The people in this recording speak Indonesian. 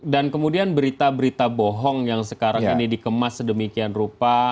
dan kemudian berita berita bohong yang sekarang ini dikemas sedemikian rupa